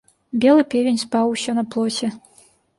Белы певень спаў усё на плоце.